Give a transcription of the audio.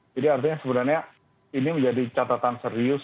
jadi artinya sebenarnya ini menjadi catatan serius